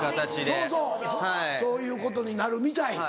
そうそうそういうことになるみたい。